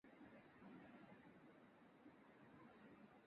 反对乱改！